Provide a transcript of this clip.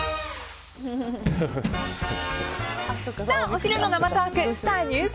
お昼の生トークスター☆